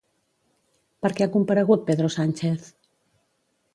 Per què ha comparegut Pedro Sánchez?